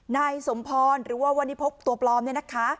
ในสมพรหรือว่าวนิพพตัวปลอมนะคะ